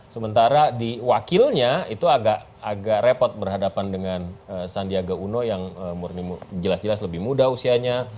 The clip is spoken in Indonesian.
sementara di wakilnya itu agak repot berhadapan dengan sandiaga uno yang murni jelas jelas lebih muda usianya